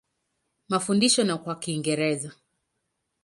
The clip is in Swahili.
Mafundisho ni kwa Kiingereza.